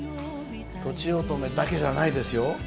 とちおとめだけじゃないですよ。